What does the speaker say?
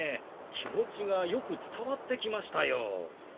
気持ちがよく伝わってきましたよ。